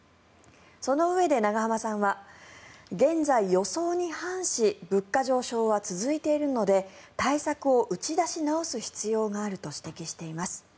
そのうえで、永濱さんは現在、予想に反し物価上昇は続いているので対策を打ち出し直す必要があると指摘しています。